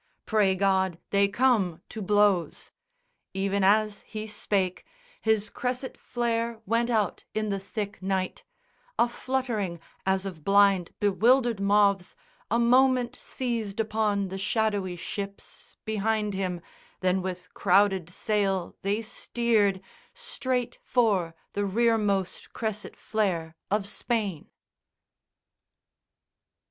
Pray God, they come to blows!" Even as he spake His cresset flare went out in the thick night; A fluttering as of blind bewildered moths A moment seized upon the shadowy ships Behind him, then with crowded sail they steered Straight for the rearmost cresset flare of Spain.